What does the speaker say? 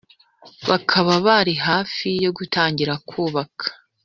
bakaba bari hafi gutangira kubaka